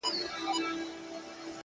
نظم د بریا بنسټ دی!.